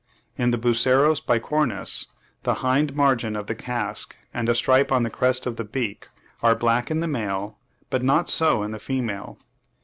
In the Buceros bicornis, the hind margin of the casque and a stripe on the crest of the beak are black in the male, but not so in the female.